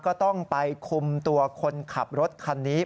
ก็ต้องไปคุมตัวคนขับรถคันนี้